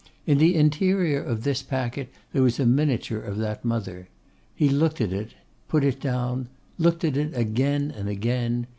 In the interior of this packet there was a miniature of that mother. He looked at it; put it down; looked at it again and again.